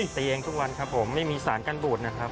ตีเองทุกวันครับผมไม่มีสารกันบูดนะครับ